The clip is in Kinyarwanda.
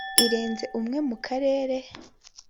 irenze umwe mu karere